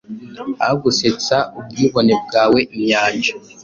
Aho gusetsa ubwibone bwawe inyanja